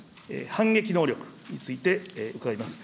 反撃能力について伺います。